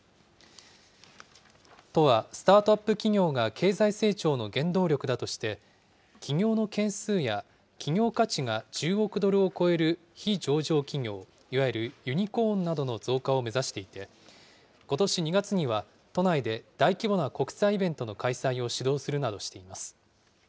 都はスタートアップ企業が経済成長の原動力だとして、起業の件数や、企業価値が１０億ドルを超える非上場企業、いわゆるユニコーンなどの増加を目指していて、ことし２月には都内で大規模な国際イベントの開催を主導するなどしています。